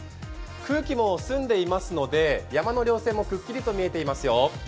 空気も澄んでいますので山のりょう線もくっきりと見えていますよ。